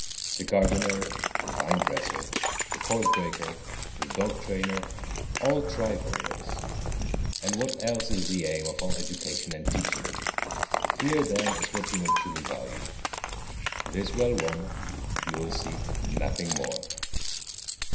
The gardener, the vine dresser, the horse breaker, the dog trainer all try for this; and what else is the aim of all education and teaching? Here, then, is what you may truly value: this well won, you will seek for nothing more.